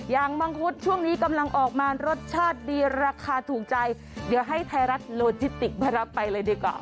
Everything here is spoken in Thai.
มังคุดช่วงนี้กำลังออกมารสชาติดีราคาถูกใจเดี๋ยวให้ไทยรัฐโลจิติกมารับไปเลยดีกว่า